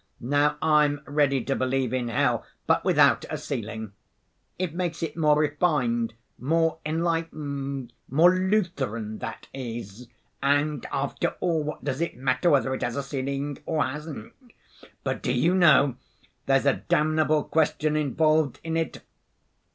Now I'm ready to believe in hell, but without a ceiling. It makes it more refined, more enlightened, more Lutheran that is. And, after all, what does it matter whether it has a ceiling or hasn't? But, do you know, there's a damnable question involved in it?